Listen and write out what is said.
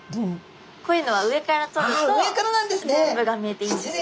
こういうのは上からとると全部が見えていいんです。